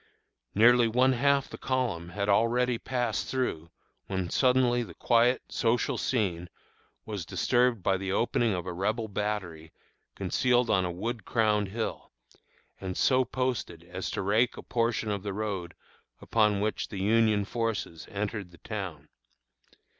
Nearly one half the column had already passed through, when suddenly the quiet, social scene was disturbed by the opening of a Rebel battery concealed on a wood crowned hill, and so posted as to rake a portion of the road upon which the Union forces entered the town.